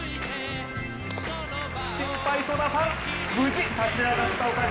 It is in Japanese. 心配そうなファン、無事立ち上がった岡島。